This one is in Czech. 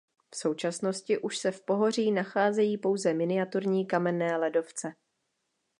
V současnosti už se v pohoří nacházejí pouze miniaturní kamenné ledovce.